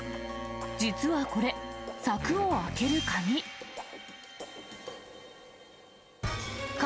実はこれ、柵を開ける鍵。